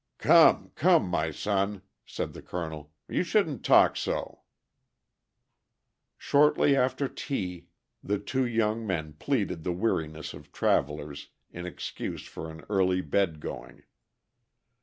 "Come, come, my son," said the colonel, "you shouldn't talk so." Shortly after tea the two young men pleaded the weariness of travelers in excuse for an early bed going.